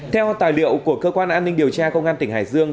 theo tài liệu của cơ quan an ninh điều tra công an tỉnh hải dương